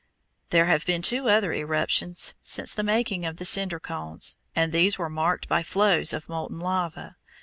There have been two other eruptions since the making of the cinder cones, and these were marked by flows of molten lava.